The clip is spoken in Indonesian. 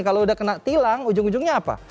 kalau udah kena tilang ujung ujungnya apa